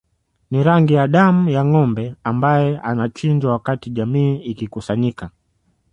Ni rangi ya damu ya ngombe ambae anachinjwa wakati jamii ikikusanyika